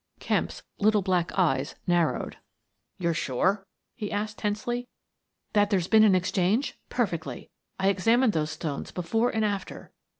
Kemp's little black eyes narrowed. "You're sure?" he asked, tensely. "That there's been an exchange? Perfectly. I examined the stones before and after."